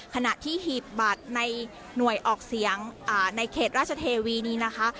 ขณะที่หีบบัตรในหน่วยออกเสียงในเขตราชเทวีนี้นะคะ